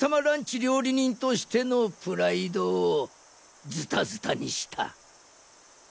料理人としてのプライドをズタズタにした。